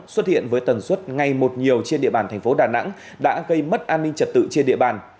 xuất hiện với tần suất ngay một nhiều trên địa bàn thành phố đà nẵng đã gây mất an ninh trật tự trên địa bàn